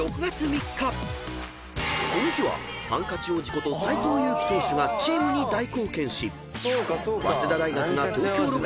［この日はハンカチ王子こと斎藤佑樹投手がチームに大貢献し］